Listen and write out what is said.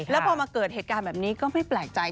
แล้วพอมาเกิดเหตุการณ์แบบนี้ก็ไม่แปลกใจ